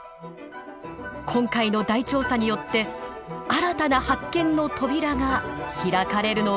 今回の大調査によって新たな発見の扉が開かれるのかもしれません。